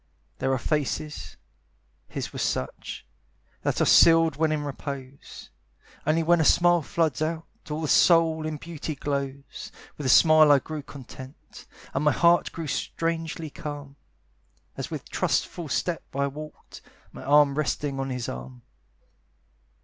There are faces his was such That are sealed when in repose; Only when a smile floods out, All the soul in beauty glows. With that smile I grew content, And my heart grew strangely calm, As with trustful step I walked, My arm resting on his arm.